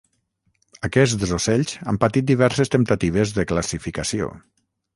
Aquests ocells han patit diverses temptatives de classificació.